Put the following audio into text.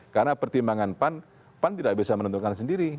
karena pertimbangan pan pan tidak bisa menentukan sendiri